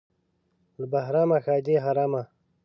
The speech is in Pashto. له بهرامه ښادي حرامه.